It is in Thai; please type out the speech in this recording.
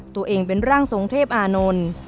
ตัวเองเป็นร่างทรงเทพอานนท์